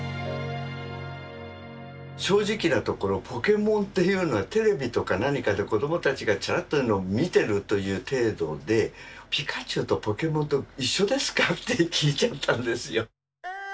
正直なところポケモンっていうのはテレビとか何かで子供たちがチラッと見てるという程度でピカチュウとポケモンと一緒ですか？って聞いちゃったんですよ。